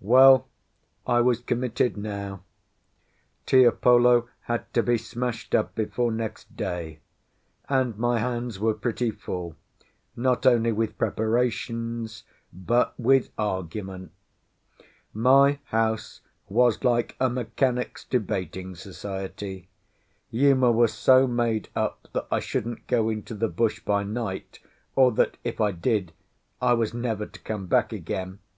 Well, I was committed now; Tiapolo had to be smashed up before next day, and my hands were pretty full, not only with preparations, but with argument. My house was like a mechanics' debating society: Uma was so made up that I shouldn't go into the bush by night, or that, if I did, I was never to come back again.